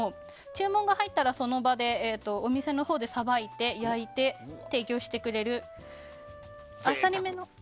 注文が入ったらその場で、お店のほうでさばいて焼いて、提供してくれる。